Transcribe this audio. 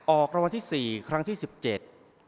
ออกรางวัลที่สี่ครั้งที่สิบเจ็ด